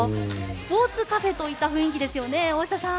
スポーツカフェといった雰囲気ですよね、大下さん。